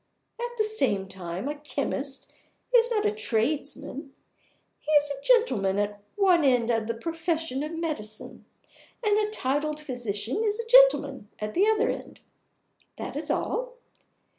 At the same time, a chemist is not a tradesman. He is a gentleman at one end of the profession of Medicine, and a titled physician is a gentleman at the other end. That is all.